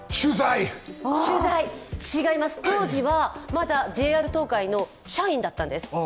違います、当時はまだＪＲ東海の社員だったんです。